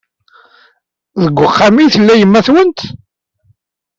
Deg uxxam ay tella yemma-twent?